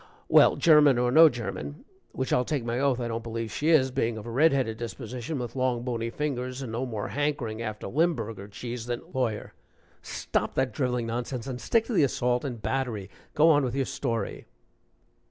Well, German or no German, which I'll take my oath I don't believe she is, being of a red headed disposition, with long, bony fingers, and no more hankering after Limberger cheese than " LAWYER. "Stop that driveling nonsense and stick to the assault and battery. Go on with your story."